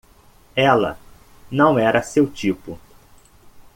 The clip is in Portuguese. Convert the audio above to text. Ela não era seu tipo.